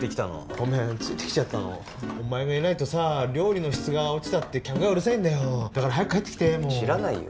ごめんついてきちゃったのお前がいないと料理の質が落ちたって客がうるさいんだよだから早く帰ってきて知らないよ